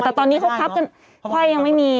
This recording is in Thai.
แต่ตอนนี้เขาคับกันไขว้ยังไม่มี